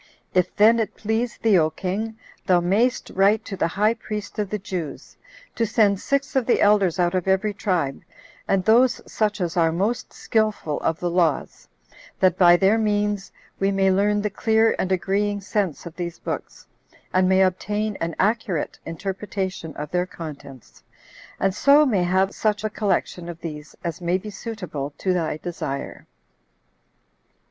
If then it please thee, O king, thou mayst write to the high priest of the Jews, to send six of the elders out of every tribe, and those such as are most skillful of the laws, that by their means we may learn the clear and agreeing sense of these books, and may obtain an accurate interpretation of their contents, and so may have such a collection of these as may be suitable to thy desire."